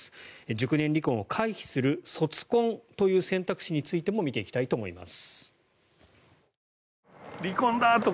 熟年離婚を回避する卒婚という選択肢についても見ていきたいと思います。